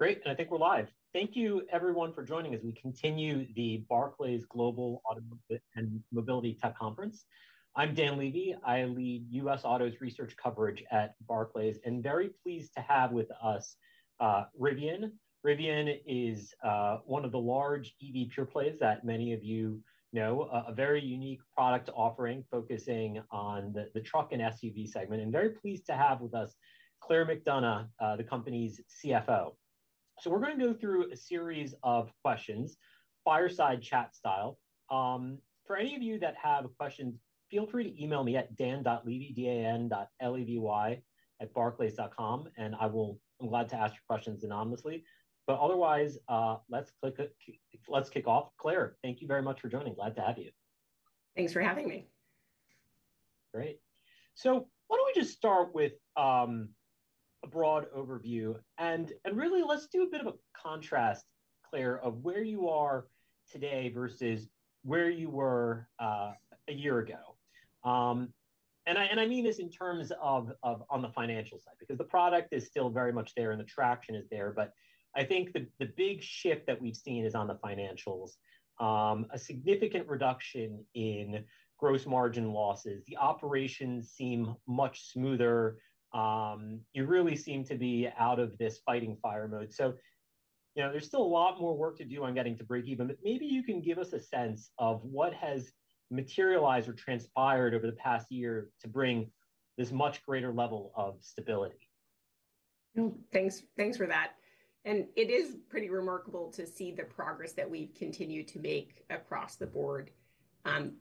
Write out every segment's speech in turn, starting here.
Great, and I think we're live. Thank you everyone for joining as we continue the Barclays Global Automotive and Mobility Tech Conference. I'm Dan Levy. I lead US Autos Research Coverage at Barclays, and very pleased to have with us Rivian. Rivian is one of the large EV pure plays that many of you know, a very unique product offering, focusing on the truck and SUV segment, and very pleased to have with us Claire McDonough, the company's CFO. So we're going to go through a series of questions, fireside chat style. For any of you that have questions, feel free to email me at dan.levy, d-a-n.l-e-v-y@barclays.com, and I will - I'm glad to ask you questions anonymously. But otherwise, let's kick it off. Claire, thank you very much for joining. Glad to have you. Thanks for having me. Great. So why don't we just start with a broad overview, and really, let's do a bit of a contrast, Claire, of where you are today versus where you were a year ago. And I mean this in terms of on the financial side, because the product is still very much there and the traction is there, but I think the big shift that we've seen is on the financials. A significant reduction in gross margin losses. The operations seem much smoother. You really seem to be out of this fighting fire mode. So, you know, there's still a lot more work to do on getting to breakeven, but maybe you can give us a sense of what has materialized or transpired over the past year to bring this much greater level of stability. Thanks, thanks for that. It is pretty remarkable to see the progress that we've continued to make across the board. And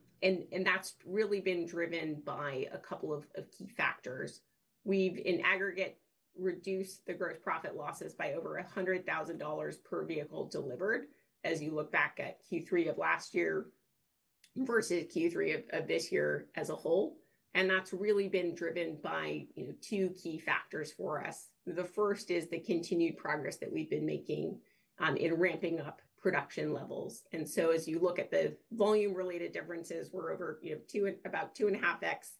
that's really been driven by a couple of key factors. We've in aggregate reduced the gross profit losses by over $100,000 per vehicle delivered, as you look back at Q3 of last year versus Q3 of this year as a whole, and that's really been driven by, you know, two key factors for us. The first is the continued progress that we've been making in ramping up production levels. And so as you look at the volume-related differences, we're over, you know, about 2.5x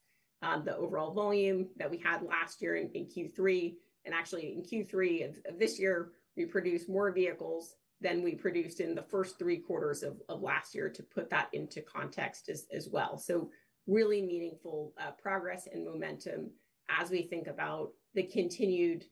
the overall volume that we had last year in Q3. Actually in Q3 of this year, we produced more vehicles than we produced in the first three quarters of last year, to put that into context as well. So really meaningful progress and momentum as we think about the continued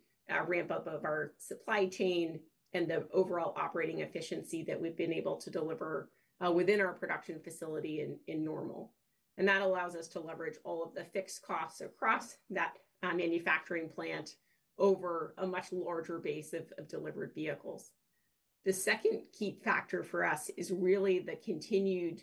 ramp-up of our supply chain and the overall operating efficiency that we've been able to deliver within our production facility in Normal. And that allows us to leverage all of the fixed costs across that manufacturing plant over a much larger base of delivered vehicles. The second key factor for us is really the continued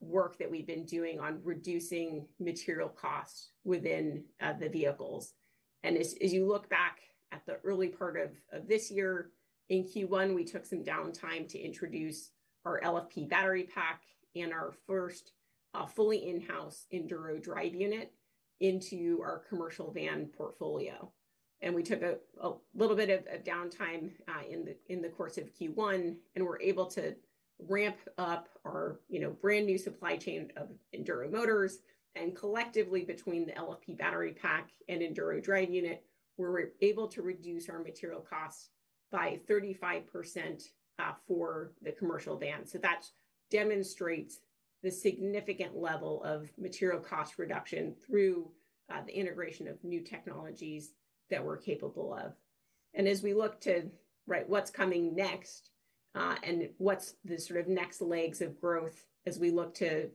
work that we've been doing on reducing material costs within the vehicles. And as you look back at the early part of this year, in Q1, we took some downtime to introduce our LFP battery pack and our first fully in-house Enduro drive unit into our commercial van portfolio. And we took a little bit of downtime in the course of Q1, and we're able to ramp up our, you know, brand-new supply chain of Enduro motors. And collectively, between the LFP battery pack and Enduro drive unit, we're able to reduce our material costs by 35% for the commercial van. So that demonstrates the significant level of material cost reduction through the integration of new technologies that we're capable of. As we look to, right, what's coming next, and what's the sort of next legs of growth as we look to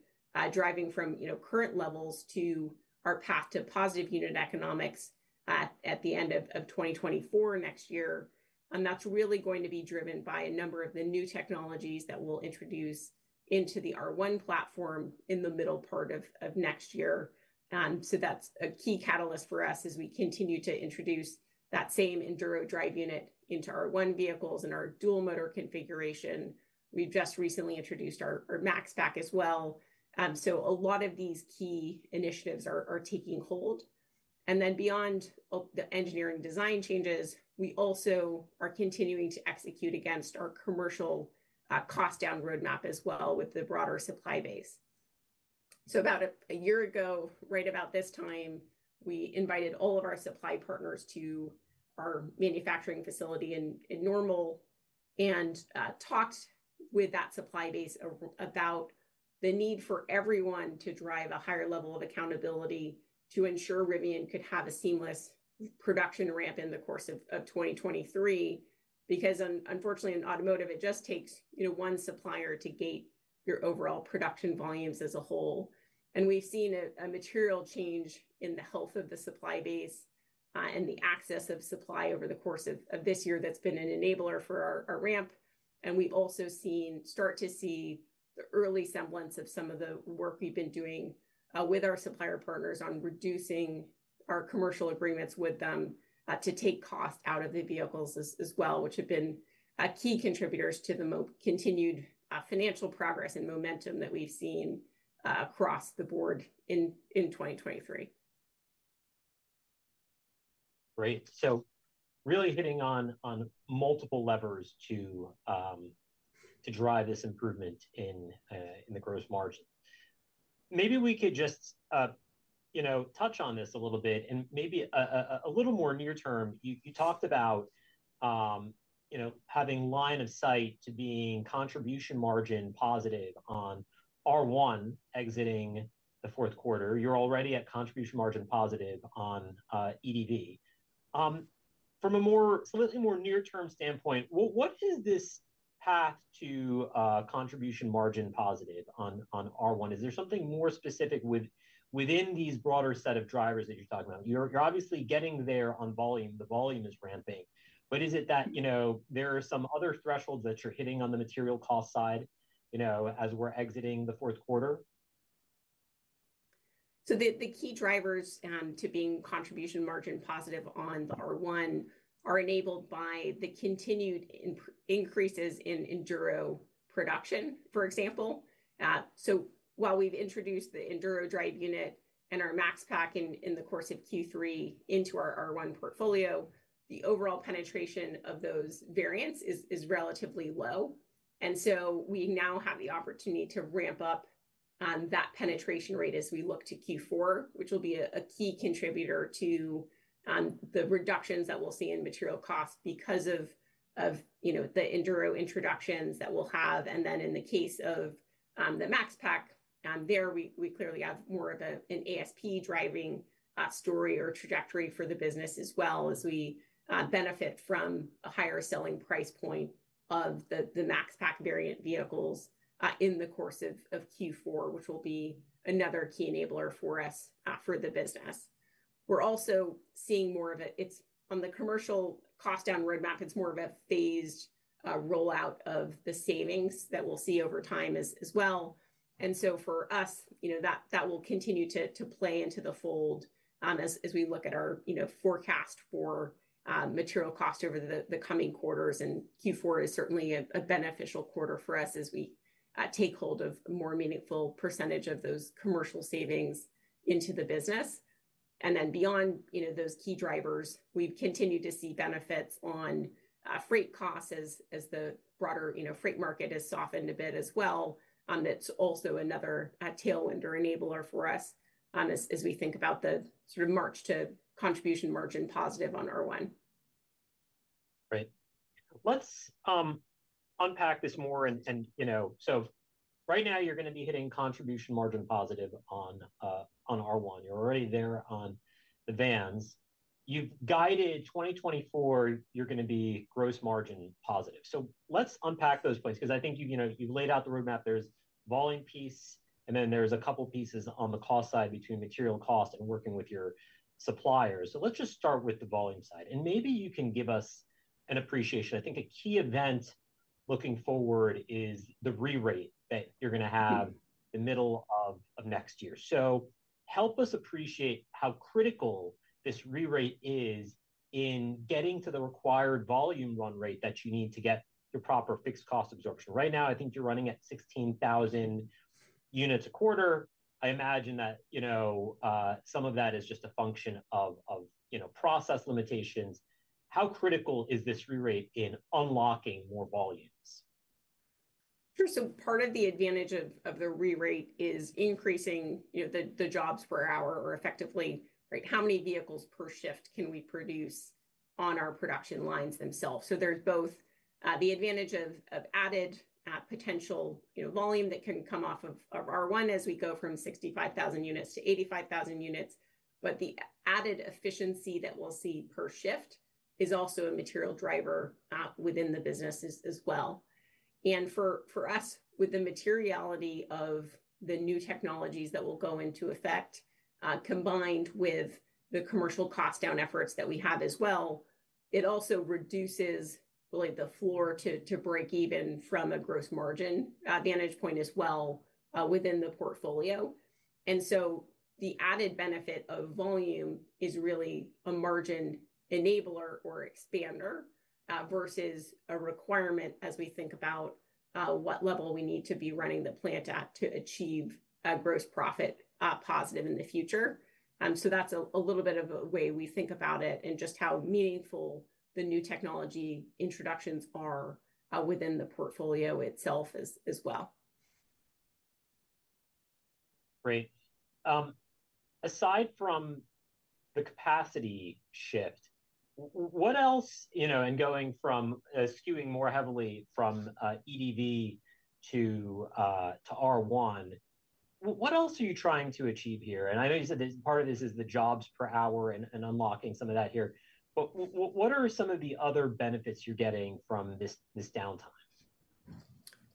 driving from, you know, current levels to our path to positive unit economics at the end of 2024 next year, and that's really going to be driven by a number of the new technologies that we'll introduce into the R1 platform in the middle part of next year. So that's a key catalyst for us as we continue to introduce that same Enduro drive unit into our R1 vehicles and our dual motor configuration. We've just recently introduced our Max Pack as well. So a lot of these key initiatives are taking hold. And then beyond the engineering design changes, we also are continuing to execute against our commercial cost down roadmap as well with the broader supply base. So about a year ago, right about this time, we invited all of our supply partners to our manufacturing facility in Normal and talked with that supply base about the need for everyone to drive a higher level of accountability to ensure Rivian could have a seamless production ramp in the course of 2023. Because unfortunately, in automotive, it just takes, you know, one supplier to gate your overall production volumes as a whole. And we've seen a material change in the health of the supply base and the access of supply over the course of this year that's been an enabler for our ramp. And we've also started to see the early semblance of some of the work we've been doing with our supplier partners on reducing our commercial agreements with them to take costs out of the vehicles as well, which have been key contributors to the continued financial progress and momentum that we've seen across the board in 2023. Great. So really hitting on multiple levers to drive this improvement in the gross margin. Maybe we could just, you know, touch on this a little bit and maybe a little more near term. You talked about, you know, having line of sight to being contribution margin positive on R1 exiting the fourth quarter. You're already at contribution margin positive on EDV. From a slightly more near-term standpoint, what is this path to contribution margin positive on R1? Is there something more specific within these broader set of drivers that you're talking about? You're obviously getting there on volume, the volume is ramping, but is it that, you know, there are some other thresholds that you're hitting on the material cost side, you know, as we're exiting the fourth quarter? So the key drivers to being contribution margin positive on the R1 are enabled by the continued increases in Enduro production, for example. So while we've introduced the Enduro drive unit and our Max Pack in the course of Q3 into our R1 portfolio, the overall penetration of those variants is relatively low. And so we now have the opportunity to ramp up that penetration rate as we look to Q4, which will be a key contributor to the reductions that we'll see in material costs because of, you know, the Enduro introductions that we'll have. And then in the case of the Max Pack, we clearly have more of an ASP driving story or trajectory for the business, as well as we benefit from a higher selling price point of the Max Pack variant vehicles in the course of Q4, which will be another key enabler for us for the business. We're also seeing more of a. It's on the commercial cost down roadmap, it's more of a phased rollout of the savings that we'll see over time as well. And so for us, you know, that will continue to play into the fold as we look at our, you know, forecast for material cost over the coming quarters. And Q4 is certainly a beneficial quarter for us as we take hold of a more meaningful percentage of those commercial savings into the business. And then beyond, you know, those key drivers, we've continued to see benefits on freight costs as the broader, you know, freight market has softened a bit as well. That's also another tailwind or enabler for us as we think about the sort of march to contribution margin positive on R1. Right. Let's unpack this more and, you know... So right now you're going to be hitting contribution margin positive on R1. You're already there on the vans. You've guided 2024, you're going to be gross margin positive. So let's unpack those points, because I think you know, you've laid out the roadmap, there's volume piece, and then there's a couple pieces on the cost side between material cost and working with your suppliers. So let's just start with the volume side, and maybe you can give us an appreciation. I think a key event looking forward is the re-rate that you're going to have-... the middle of next year. So help us appreciate how critical this re-rate is in getting to the required volume run rate that you need to get your proper fixed cost absorption. Right now, I think you're running at 16,000 units a quarter. I imagine that, you know, some of that is just a function of, you know, process limitations. How critical is this re-rate in unlocking more volumes? Sure. So part of the advantage of the re-rate is increasing, you know, the jobs per hour or effectively, right, how many vehicles per shift can we produce on our production lines themselves. So there's both the advantage of added potential, you know, volume that can come off of R1 as we go from 65,000 units to 85,000 units, but the added efficiency that we'll see per shift is also a material driver within the business as well. And for us, with the materiality of the new technologies that will go into effect combined with the commercial cost down efforts that we have as well, it also reduces really the floor to break even from a gross margin vantage point as well within the portfolio. And so the added benefit of volume is really a margin enabler or expander, versus a requirement as we think about what level we need to be running the plant at to achieve a gross profit positive in the future. So that's a little bit of a way we think about it and just how meaningful the new technology introductions are within the portfolio itself as well. Great. Aside from the capacity shift, what else, you know, and going from skewing more heavily from EDV to R1, what else are you trying to achieve here? And I know you said that part of this is the jobs per hour and unlocking some of that here, but what are some of the other benefits you're getting from this downtime?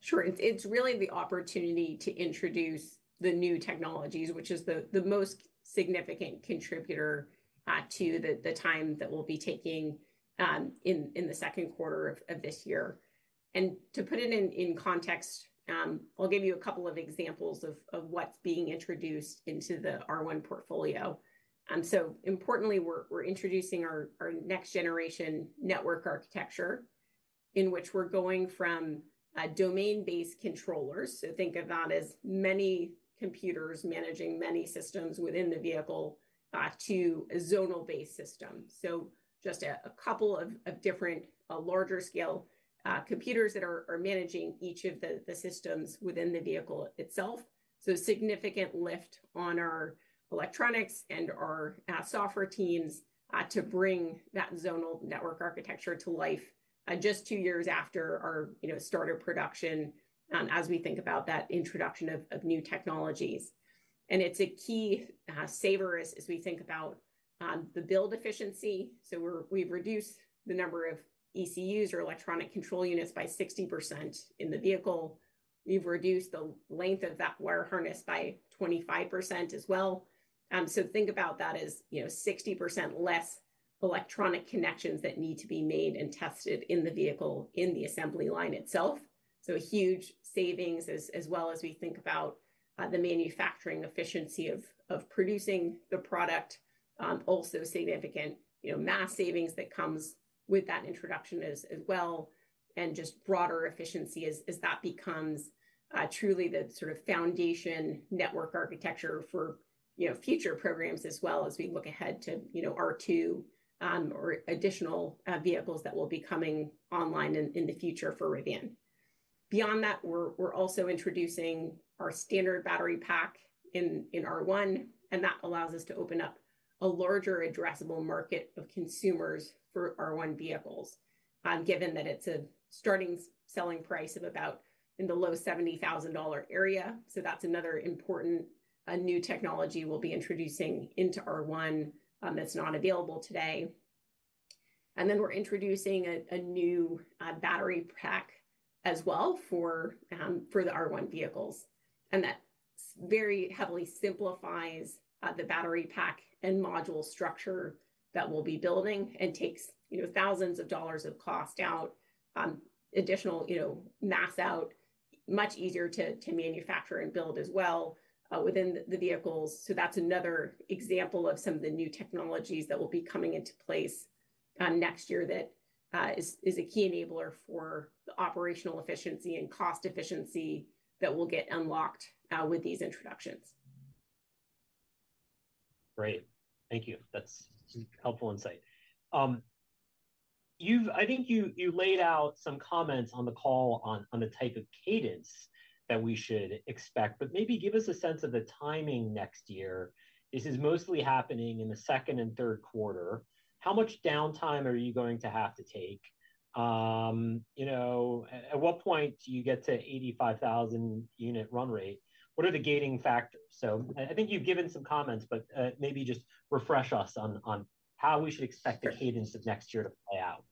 Sure. It's really the opportunity to introduce the new technologies, which is the most significant contributor to the time that we'll be taking in the second quarter of this year. To put it in context, I'll give you a couple of examples of what's being introduced into the R1 portfolio. So importantly, we're introducing our next generation network architecture in which we're going from domain-based controllers, so think of that as many computers managing many systems within the vehicle, to a zonal-based system. So just a couple of different larger scale computers that are managing each of the systems within the vehicle itself. So significant lift on our electronics and our software teams to bring that zonal network architecture to life just two years after our, you know, start of production as we think about that introduction of new technologies. And it's a key saver as we think about the build efficiency. So we've reduced the number of ECUs or Electronic Control Units by 60% in the vehicle. We've reduced the length of that wire harness by 25% as well. So think about that as, you know, 60% less electronic connections that need to be made and tested in the vehicle, in the assembly line itself. So huge savings as well as we think about the manufacturing efficiency of producing the product. Also significant, you know, mass savings that comes with that introduction as well, and just broader efficiency as that becomes truly the sort of foundation network architecture for, you know, future programs as well, as we look ahead to, you know, R2 or additional vehicles that will be coming online in the future for Rivian. Beyond that, we're also introducing our Standard battery pack in R1, and that allows us to open up a larger addressable market of consumers for R1 vehicles, given that it's a starting selling price of about in the low $70,000 area. So that's another important new technology we'll be introducing into R1 that's not available today. And then we're introducing a new battery pack as well for the R1 vehicles. That very heavily simplifies the battery pack and module structure that we'll be building and takes, you know, thousands of dollars of cost out, additional, you know, mass out, much easier to manufacture and build as well within the vehicles. So that's another example of some of the new technologies that will be coming into place next year that is a key enabler for the operational efficiency and cost efficiency that will get unlocked with these introductions. Great, thank you. That's helpful insight. I think you laid out some comments on the call, on the type of cadence that we should expect, but maybe give us a sense of the timing next year. This is mostly happening in the second and third quarter. How much downtime are you going to have to take? You know, at what point do you get to 85,000 unit run rate? What are the gating factors? So I think you've given some comments, but maybe just refresh us on how we should expect the cadence of next year to play out.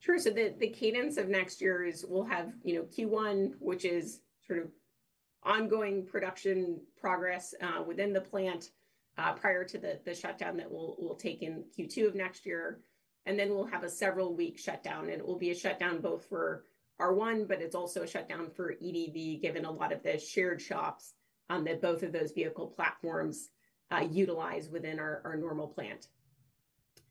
Sure. So the cadence of next year is we'll have, you know, Q1, which is sort of ongoing production progress within the plant prior to the shutdown that we'll take in Q2 of next year. And then we'll have a several-week shutdown, and it will be a shutdown both for R1, but it's also a shutdown for EDV, given a lot of the shared shops that both of those vehicle platforms utilize within our Normal plant.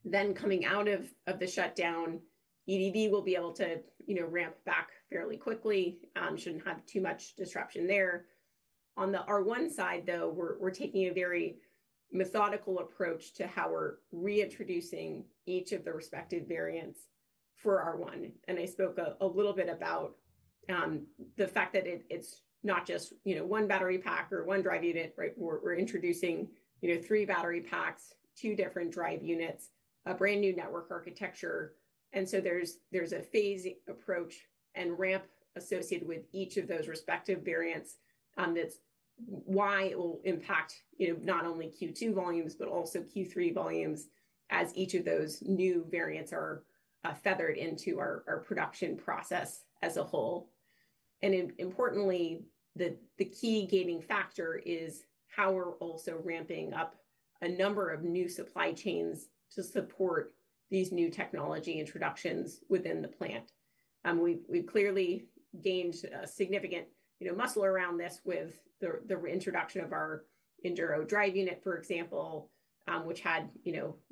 Then coming out of the shutdown, EDV will be able to, you know, ramp back fairly quickly, shouldn't have too much disruption there. On the R1 side, though, we're taking a very methodical approach to how we're reintroducing each of the respective variants for R1. I spoke a little bit about the fact that it, it's not just, you know, one battery pack or one drive unit, right? We're introducing, you know, three battery packs, two different drive units, a brand-new network architecture. And so there's a phasing approach and ramp associated with each of those respective variants, that's why it will impact, you know, not only Q2 volumes, but also Q3 volumes, as each of those new variants are feathered into our production process as a whole. And importantly, the key gating factor is how we're also ramping up a number of new supply chains to support these new technology introductions within the plant. We've clearly gained a significant, you know, muscle around this with the reintroduction of our Enduro drive unit, for example,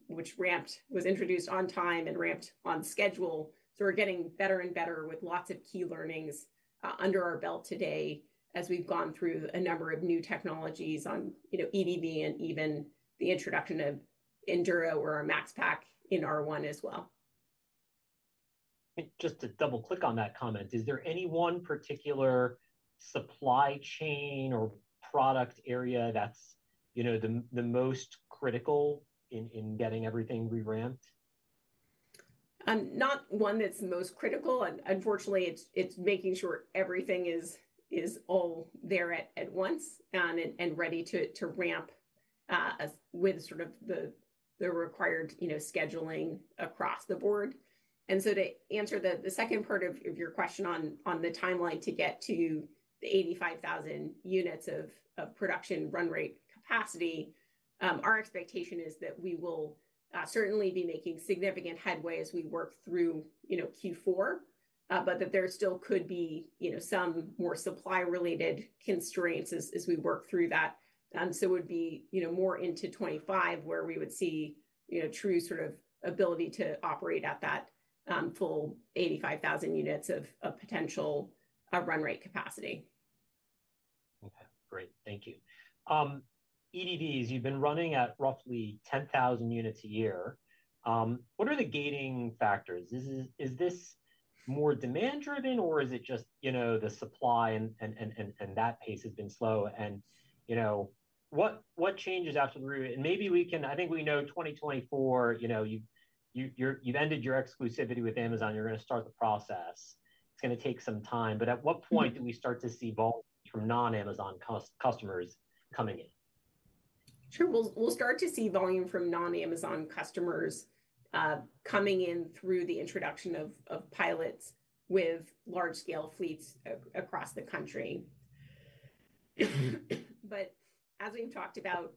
which was introduced on time and ramped on schedule. So we're getting better and better with lots of key learnings under our belt today as we've gone through a number of new technologies on, you know, EDV and even the introduction of Enduro or our Max Pack in R1 as well. Just to double-click on that comment, is there any one particular supply chain or product area that's, you know, the, the most critical in, in getting everything re-ramped? Not one that's most critical, and unfortunately, it's making sure everything is all there at once, and ready to ramp with sort of the required, you know, scheduling across the board. And so to answer the second part of your question on the timeline to get to the 85,000 units of production run rate capacity, our expectation is that we will certainly be making significant headway as we work through, you know, Q4, but that there still could be, you know, some more supply-related constraints as we work through that. And so it would be, you know, more into 2025 where we would see, you know, true sort of ability to operate at that full 85,000 units of potential run rate capacity. Okay, great. Thank you. EDVs, you've been running at roughly 10,000 units a year. What are the gating factors? Is this more demand-driven, or is it just, you know, the supply and that pace has been slow? And, you know, what changes have to? And maybe we can... I think we know 2024, you know, you, you, you're, you've ended your exclusivity with Amazon. You're going to start the process. It's going to take some time, but at what point do we start to see volume from non-Amazon customers coming in? Sure. We'll start to see volume from non-Amazon customers coming in through the introduction of pilots with large-scale fleets across the country. But as we've talked about,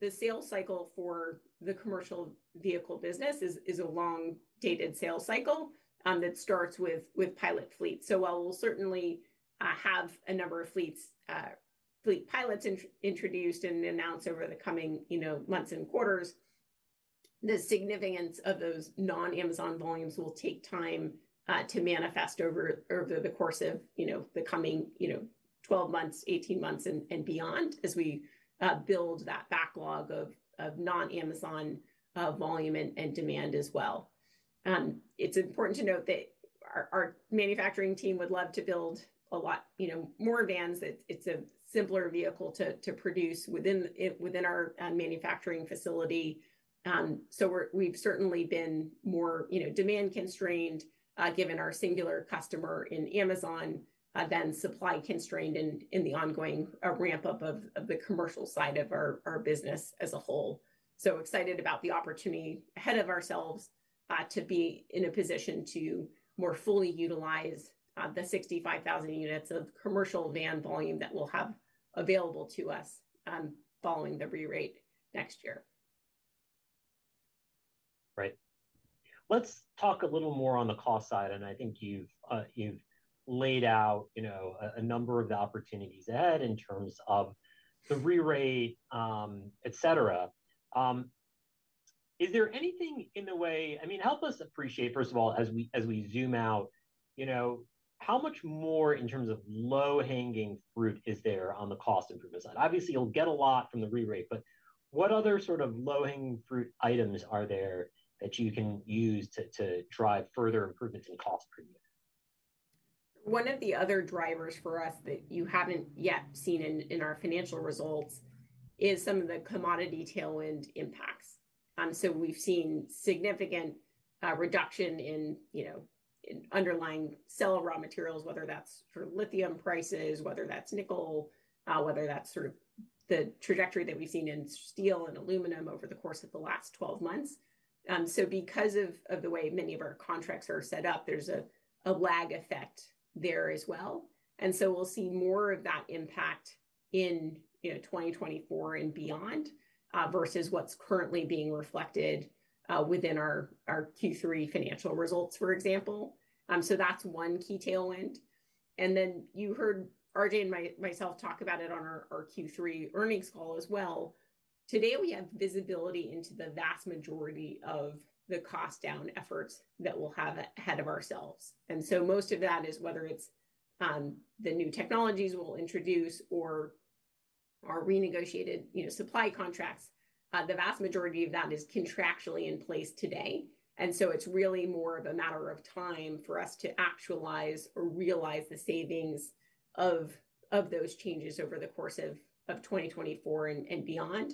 the sales cycle for the commercial vehicle business is a long-dated sales cycle that starts with pilot fleets. So while we'll certainly have a number of fleets, fleet pilots introduced and announced over the coming, you know, months and quarters, the significance of those non-Amazon volumes will take time to manifest over the course of, you know, the coming, you know, 12 months, 18 months, and beyond as we build that backlog of non-Amazon volume and demand as well. It's important to note that our manufacturing team would love to build a lot, you know, more vans. It's a simpler vehicle to produce within our manufacturing facility. So we've certainly been more, you know, demand constrained, given our singular customer in Amazon, than supply constrained in the ongoing ramp up of the commercial side of our business as a whole. So excited about the opportunity ahead of ourselves to be in a position to more fully utilize the 65,000 units of commercial van volume that we'll have available to us, following the re-rate next year. Right. Let's talk a little more on the cost side, and I think you've laid out, you know, a number of the opportunities ahead in terms of the Re-rate, et cetera. Is there anything in the way, I mean, help us appreciate, first of all, as we zoom out, you know, how much more in terms of low-hanging fruit is there on the cost improvement side? Obviously, you'll get a lot from the Re-rate, but what other sort of low-hanging fruit items are there that you can use to drive further improvements in cost per unit? One of the other drivers for us that you haven't yet seen in our financial results is some of the commodity tailwind impacts. So we've seen significant reduction in, you know, in underlying cell raw materials, whether that's for lithium prices, whether that's nickel, whether that's sort of the trajectory that we've seen in steel and aluminum over the course of the last 12 months. So because of the way many of our contracts are set up, there's a lag effect there as well. And so we'll see more of that impact in, you know, 2024 and beyond, versus what's currently being reflected within our Q3 financial results, for example. So that's one key tailwind. And then you heard RJ and myself talk about it on our Q3 earnings call as well. Today, we have visibility into the vast majority of the cost down efforts that we'll have ahead of ourselves. And so most of that is whether it's the new technologies we'll introduce or our renegotiated, you know, supply contracts, the vast majority of that is contractually in place today. And so it's really more of a matter of time for us to actualize or realize the savings of those changes over the course of 2024 and beyond.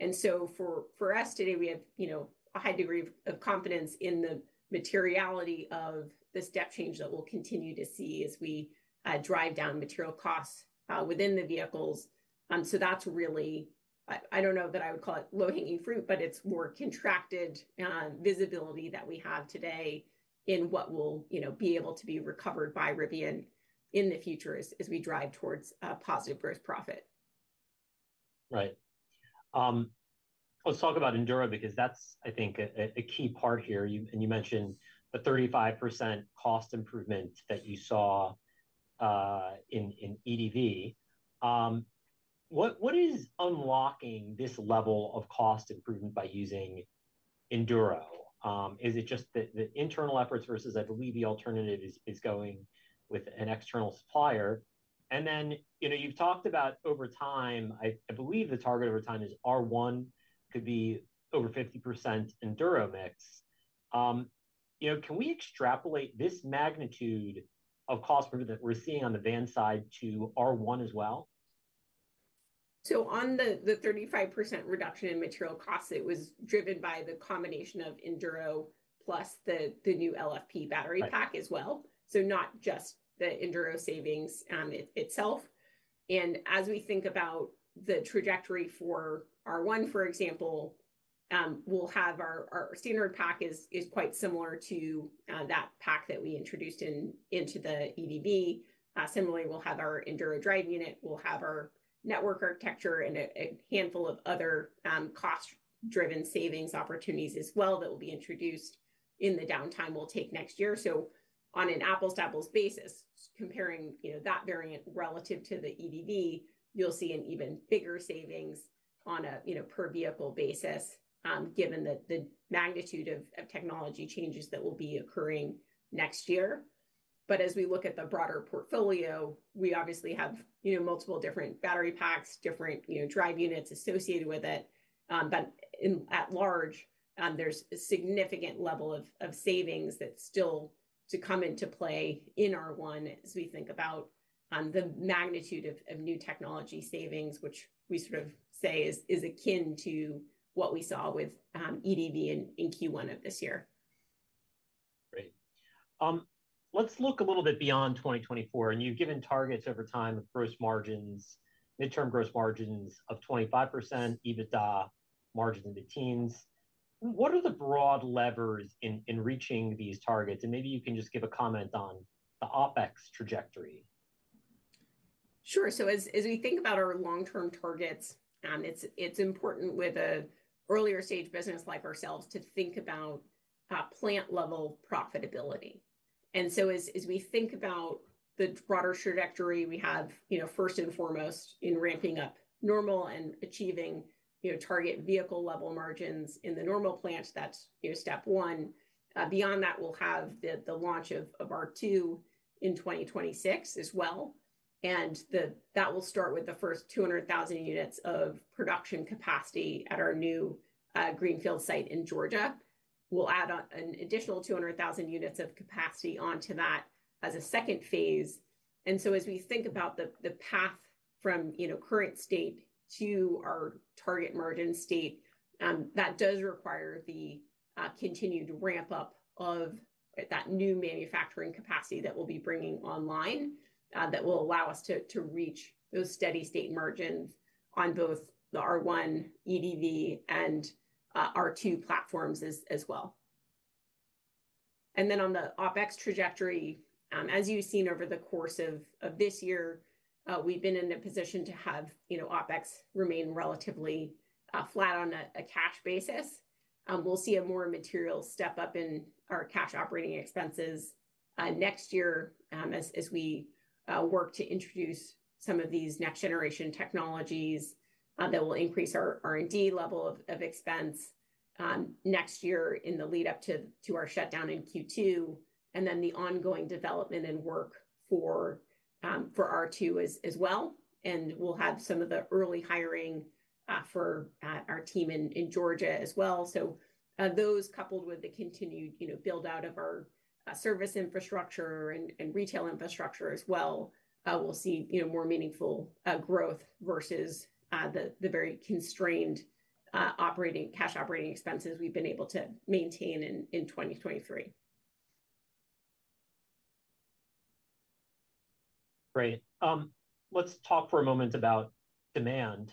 And so for us today, we have, you know, a high degree of confidence in the materiality of the step change that we'll continue to see as we drive down material costs within the vehicles. So that's really... I don't know that I would call it low-hanging fruit, but it's more contracted visibility that we have today in what will, you know, be able to be recovered by Rivian in the future as we drive towards positive gross profit. Right. Let's talk about Enduro, because that's, I think, a key part here. You and you mentioned the 35% cost improvement that you saw in EDV. What is unlocking this level of cost improvement by using Enduro? Is it just the internal efforts versus I believe the alternative is going with an external supplier? And then, you know, you've talked about over time, I believe the target over time is R1 could be over 50% Enduro mix. You know, can we extrapolate this magnitude of cost improvement that we're seeing on the van side to R1 as well? So on the 35% reduction in material costs, it was driven by the combination of Enduro plus the new LFP battery pack- Right... as well, so not just the Enduro savings, itself. And as we think about the trajectory for R1, for example, we'll have our standard pack is quite similar to that pack that we introduced into the EDV. Similarly, we'll have our Enduro drive unit, we'll have our network architecture and a handful of other cost-driven savings opportunities as well that will be introduced in the downtime we'll take next year. So on an apples to apples basis, comparing, you know, that variant relative to the EDV, you'll see an even bigger savings on a, you know, per vehicle basis, given that the magnitude of technology changes that will be occurring next year. But as we look at the broader portfolio, we obviously have, you know, multiple different battery packs, different, you know, drive units associated with it. But in at large, there's a significant level of savings that's still to come into play in R1 as we think about the magnitude of new technology savings, which we sort of say is akin to what we saw with EDV in Q1 of this year. Great. Let's look a little bit beyond 2024, and you've given targets over time of gross margins, midterm gross margins of 25%, EBITDA margin in the teens. What are the broad levers in reaching these targets? And maybe you can just give a comment on the OpEx trajectory. Sure. So as we think about our long-term targets, it's important with an earlier stage business like ourselves, to think about plant-level profitability. And so as we think about the broader trajectory, we have, you know, first and foremost, in ramping up Normal and achieving, you know, target vehicle level margins in the Normal plant, that's, you know, step one. Beyond that, we'll have the launch of R2 in 2026 as well, and that will start with the first 200,000 units of production capacity at our new Greenfield site in Georgia. We'll add an additional 200,000 units of capacity onto that as a second phase. And so as we think about the path from, you know, current state to our target margin state, that does require the continued ramp up of that new manufacturing capacity that we'll be bringing online, that will allow us to reach those steady state margins on both the R1, EDV, and R2 platforms as well. And then on the OpEx trajectory, as you've seen over the course of this year, we've been in a position to have, you know, OpEx remain relatively flat on a cash basis. We'll see a more material step up in our cash operating expenses next year, as we work to introduce some of these next generation technologies that will increase our R&D level of expense next year in the lead up to our shutdown in Q2, and then the ongoing development and work for R2 as well. And we'll have some of the early hiring for our team in Georgia as well. So, those coupled with the continued, you know, build-out of our service infrastructure and retail infrastructure as well, we'll see, you know, more meaningful growth versus the very constrained operating cash operating expenses we've been able to maintain in 2023. Great. Let's talk for a moment about demand.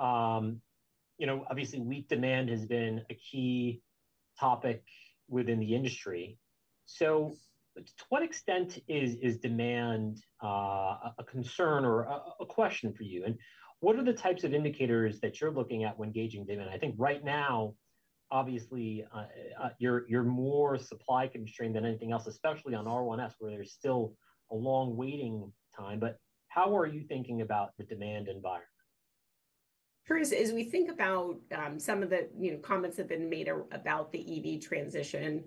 You know, obviously, weak demand has been a key topic within the industry. So to what extent is demand a concern or a question for you? And what are the types of indicators that you're looking at when gauging demand? I think right now, obviously, you're more supply constrained than anything else, especially on R1S, where there's still a long waiting time. But how are you thinking about the demand environment? Sure. As we think about some of the, you know, comments that have been made about the EV transition,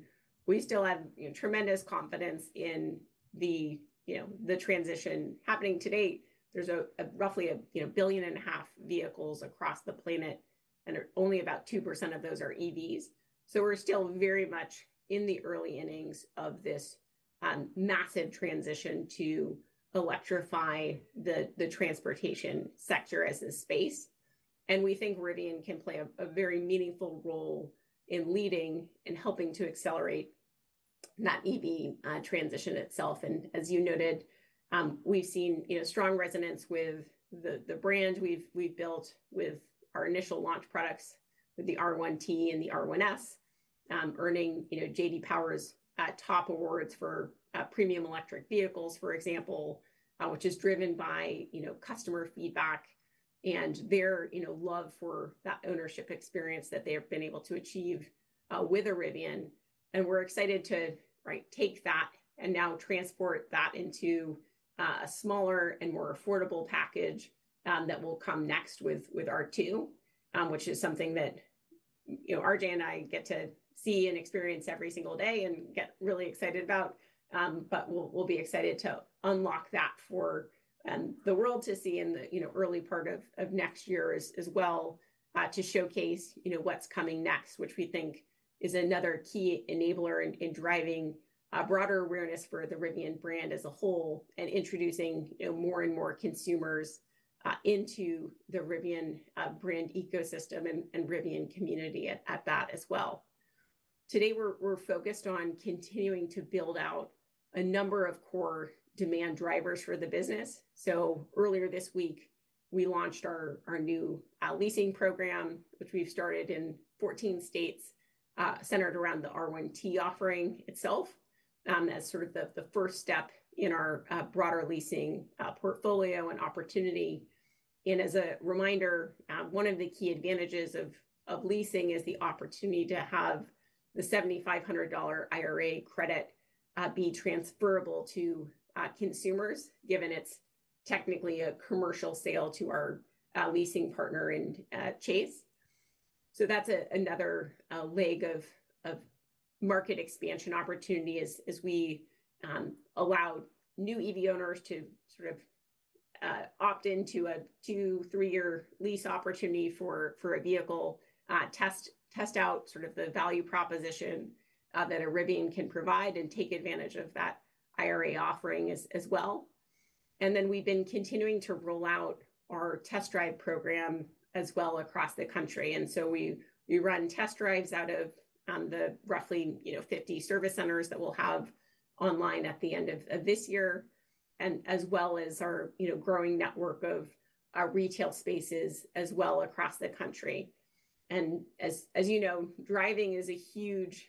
we still have, you know, tremendous confidence in the, you know, the transition happening. To date, there's roughly a 1.5 billion vehicles across the planet, and only about 2% of those are EVs. So we're still very much in the early innings of this massive transition to electrify the transportation sector as a space, and we think Rivian can play a very meaningful role in leading and helping to accelerate that EV transition itself. And as you noted, we've seen, you know, strong resonance with the brand we've built with our initial launch products, with the R1T and the R1S, earning, you know, J.D. J.D. Power's top awards for premium electric vehicles, for example, which is driven by, you know, customer feedback and their, you know, love for that ownership experience that they've been able to achieve with Rivian. And we're excited to, right, take that and now transport that into a smaller and more affordable package that will come next with, with R2, which is something that, you know, RJ and I get to see and experience every single day and get really excited about. We'll be excited to unlock that for the world to see in the, you know, early part of next year as well, to showcase, you know, what's coming next, which we think is another key enabler in driving broader awareness for the Rivian brand as a whole, and introducing, you know, more and more consumers into the Rivian brand ecosystem and Rivian community at that as well. Today we're focused on continuing to build out a number of core demand drivers for the business. Earlier this week, we launched our new leasing program, which we've started in 14 states, centered around the R1T offering itself. As sort of the first step in our broader leasing portfolio and opportunity. And as a reminder, one of the key advantages of leasing is the opportunity to have the $7,500 IRA credit be transferable to consumers, given it's technically a commercial sale to our leasing partner in Chase. So that's another leg of market expansion opportunity as we allow new EV owners to sort of opt into a 2, 3-year lease opportunity for a vehicle. Test out sort of the value proposition that a Rivian can provide and take advantage of that IRA offering as well. And then we've been continuing to roll out our test drive program as well across the country. And so we run test drives out of the roughly, you know, 50 service centers that we'll have online at the end of this year, and as well as our, you know, growing network of our retail spaces as well across the country. As you know, driving is a huge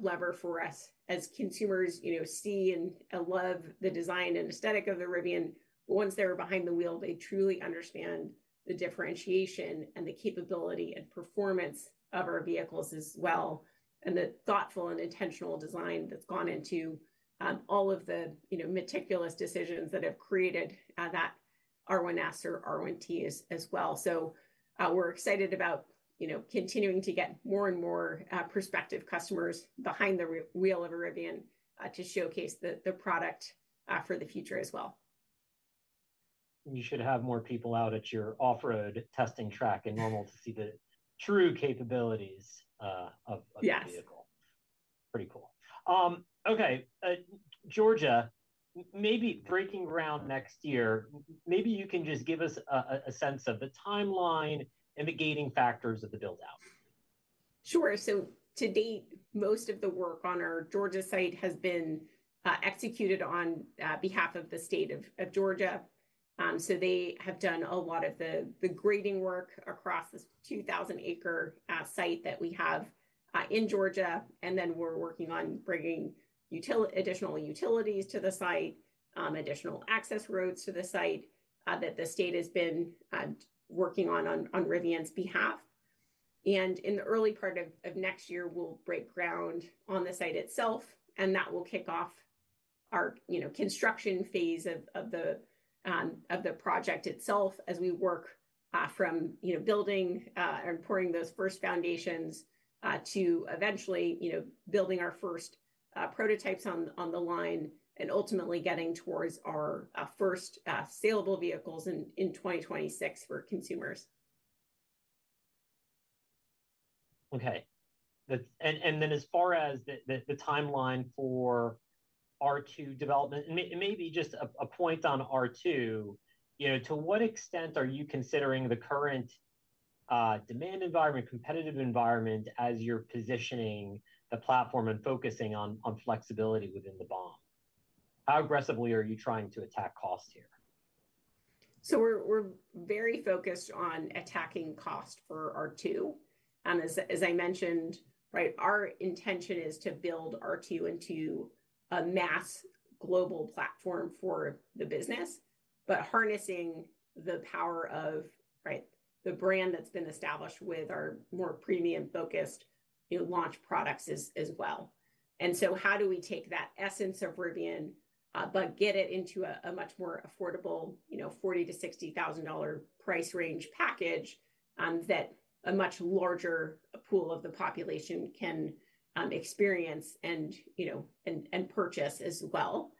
lever for us as consumers see and love the design and aesthetic of the Rivian. Once they're behind the wheel, they truly understand the differentiation and the capability and performance of our vehicles as well, and the thoughtful and intentional design that's gone into all of the, you know, meticulous decisions that have created that R1S or R1T as well. So, we're excited about, you know, continuing to get more and more prospective customers behind the wheel of a Rivian to showcase the product for the future as well. You should have more people out at your off-road testing track in Normal to see the true capabilities of- Yes... the vehicle. Pretty cool. Okay, Georgia, maybe breaking ground next year, maybe you can just give us a sense of the timeline and the gating factors of the build-out? Sure. So to date, most of the work on our Georgia site has been executed on behalf of the state of Georgia. So they have done a lot of the grading work across this 2,000-acre site that we have in Georgia, and then we're working on bringing utilities to the site, additional access roads to the site, that the state has been working on Rivian's behalf. In the early part of next year, we'll break ground on the site itself, and that will kick off our, you know, construction phase of the project itself as we work from, you know, building and pouring those first foundations to eventually, you know, building our first prototypes on the line, and ultimately getting towards our first saleable vehicles in 2026 for consumers. Okay. And then as far as the timeline for R2 development, and maybe just a point on R2, you know, to what extent are you considering the current demand environment, competitive environment, as you're positioning the platform and focusing on flexibility within the BOM? How aggressively are you trying to attack cost here? So we're very focused on attacking cost for R2. As I mentioned, right, our intention is to build R2 into a mass global platform for the business, but harnessing the power of right, the brand that's been established with our more premium-focused, you know, launch products as well. And so how do we take that essence of Rivian, but get it into a much more affordable, you know, $40,000-$60,000 price range package, that a much larger pool of the population can experience and, you know, and purchase as well?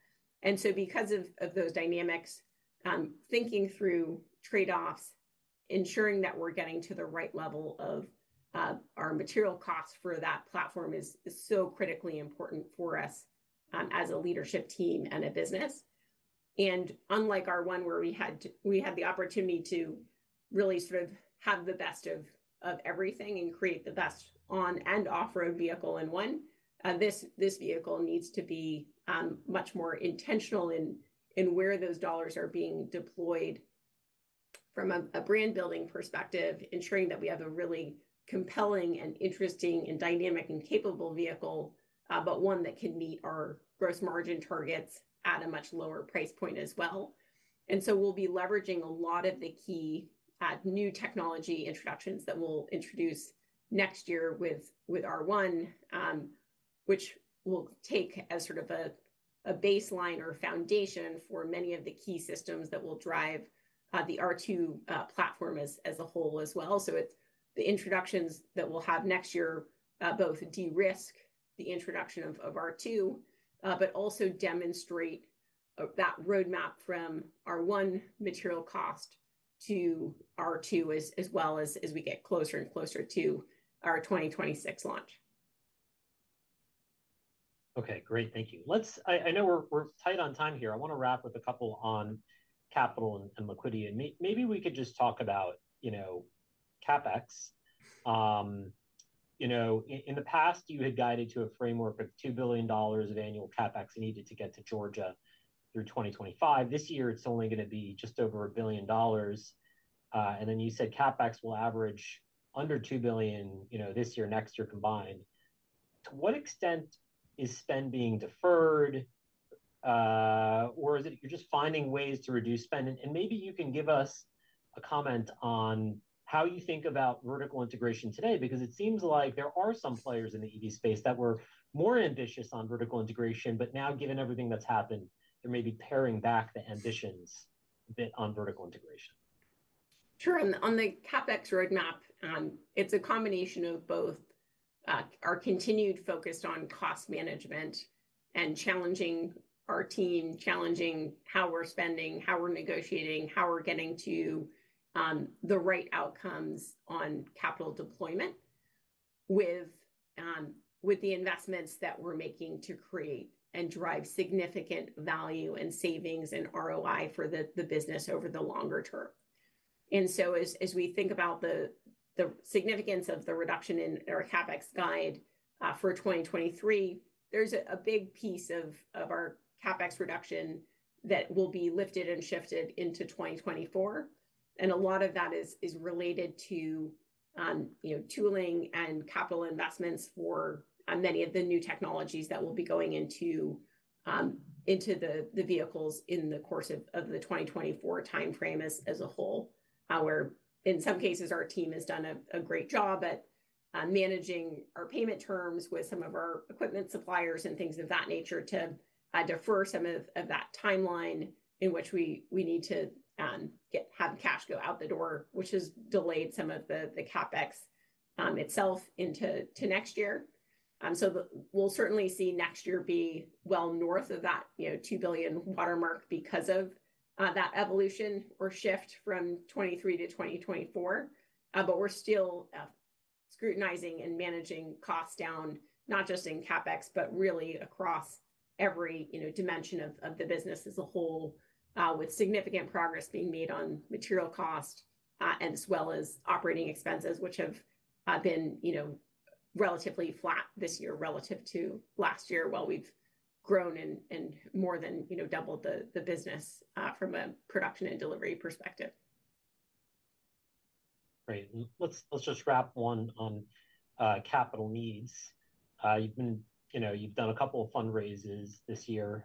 And so because of those dynamics, thinking through trade-offs, ensuring that we're getting to the right level of our material costs for that platform is so critically important for us, as a leadership team and a business. And unlike R1, where we had the opportunity to really sort of have the best of everything and create the best on and off-road vehicle in one, this vehicle needs to be much more intentional in where those dollars are being deployed from a brand-building perspective, ensuring that we have a really compelling and interesting and dynamic and capable vehicle, but one that can meet our gross margin targets at a much lower price point as well. And so we'll be leveraging a lot of the key new technology introductions that we'll introduce next year with R1, which we'll take as sort of a baseline or foundation for many of the key systems that will drive the R2 platform as a whole as well. So it's the introductions that we'll have next year, both de-risk the introduction of R2, but also demonstrate that roadmap from R1 material cost to R2 as well as we get closer and closer to our 2026 launch. Okay, great. Thank you. Let's. I know we're tight on time here. I want to wrap with a couple on capital and liquidity. And maybe we could just talk about, you know, CapEx. You know, in the past, you had guided to a framework of $2 billion of annual CapEx needed to get to Georgia through 2025. This year, it's only going to be just over $1 billion. And then you said CapEx will average under $2 billion, you know, this year, next year combined. To what extent is spend being deferred, or is it you're just finding ways to reduce spend? Maybe you can give us a comment on how you think about vertical integration today, because it seems like there are some players in the EV space that were more ambitious on vertical integration, but now, given everything that's happened, they may be paring back the ambitions a bit on vertical integration. Sure. On the CapEx roadmap, it's a combination of both, our continued focus on cost management and challenging our team, challenging how we're spending, how we're negotiating, how we're getting to the right outcomes on capital deployment. With the investments that we're making to create and drive significant value and savings and ROI for the business over the longer term. And so as we think about the significance of the reduction in our CapEx guide for 2023, there's a big piece of our CapEx reduction that will be lifted and shifted into 2024, and a lot of that is related to, you know, tooling and capital investments for many of the new technologies that will be going into the vehicles in the course of the 2024 timeframe as a whole. Where in some cases, our team has done a great job at managing our payment terms with some of our equipment suppliers and things of that nature to defer some of that timeline in which we need to have cash go out the door, which has delayed some of the CapEx itself into next year. So we'll certainly see next year be well north of that $2 billion watermark because of that evolution or shift from 2023 to 2024. But we're still scrutinizing and managing costs down, not just in CapEx, but really across every, you know, dimension of the business as a whole, with significant progress being made on material cost and as well as operating expenses, which have been, you know, relatively flat this year relative to last year, while we've grown and more than, you know, doubled the business from a production and delivery perspective. Great. Let's just wrap one on capital needs. You've been, you know, you've done a couple of fundraisers this year,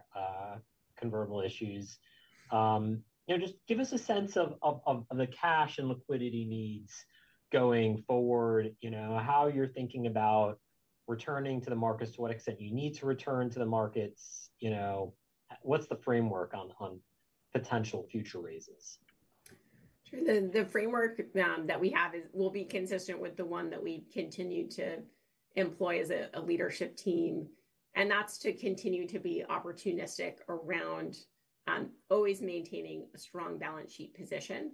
convertible issues. You know, just give us a sense of the cash and liquidity needs going forward. You know, how you're thinking about returning to the markets, to what extent you need to return to the markets. You know, what's the framework on potential future raises? Sure. The framework will be consistent with the one that we continue to employ as a leadership team, and that's to continue to be opportunistic around always maintaining a strong balance sheet position.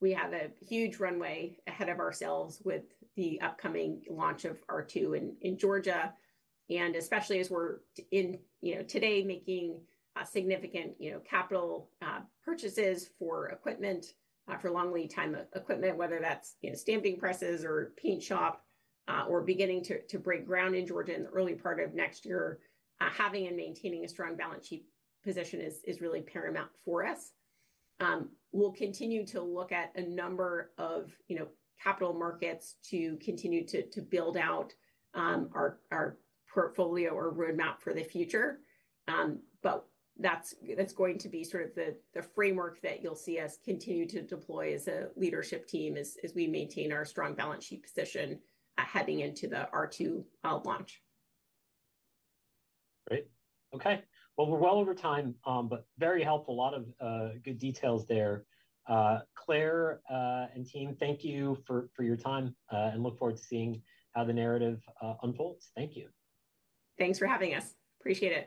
We have a huge runway ahead of ourselves with the upcoming launch of R2 in Georgia, and especially as we're in, you know, today making significant, you know, capital purchases for equipment for long lead time equipment, whether that's, you know, stamping presses or paint shop, we're beginning to break ground in Georgia in the early part of next year. Having and maintaining a strong balance sheet position is really paramount for us. We'll continue to look at a number of, you know, capital markets to continue to build out our portfolio or roadmap for the future. But that's going to be sort of the framework that you'll see us continue to deploy as a leadership team, as we maintain our strong balance sheet position, heading into the R2 launch. Great. Okay. Well, we're well over time, but very helpful. A lot of good details there. Claire and team, thank you for your time, and look forward to seeing how the narrative unfolds. Thank you. Thanks for having us. Appreciate it.